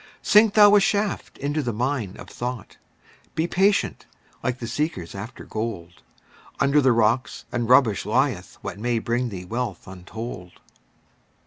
Sink thou a shaft into the mine of thought; Be patient, like the seekers after gold; Under the rocks and rubbish lieth what May bring thee wealth untold.